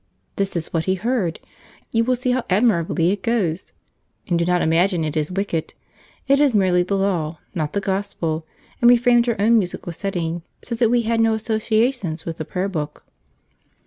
This is what he heard you will see how admirably it goes! And do not imagine it is wicked: it is merely the Law, not the Gospel, and we framed our own musical settings, so that we had no associations with the Prayer Book."